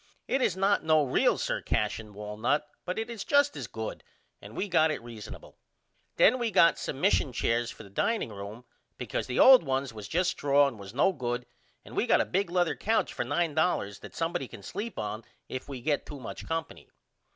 It is not no real Sir Cashion walnut but it is just as good and we got it reasonable. Then we got some mission chairs for the dining room because the old ones was just straw and was no good and we got a big lether couch for $9 that somebody can sleep on if we get to much company.